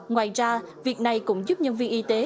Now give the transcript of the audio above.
ngoài ra việc này cũng giúp nhân viên y tế